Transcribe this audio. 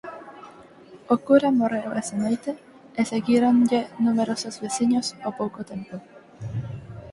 O cura morreu esa noite e seguíronlle numerosos veciños ó pouco tempo.